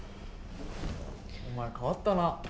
お前変わったな。